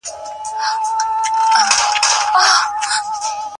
د پلار فکر تر خپل فکر ښه وڅېړئ.